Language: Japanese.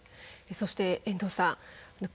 そして遠藤さん。